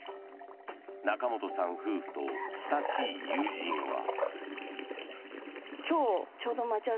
仲本さん夫婦と親しい友人は。